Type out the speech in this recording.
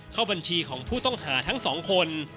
เข้าบัญชีของผู้ต้องหาทั้งสองคน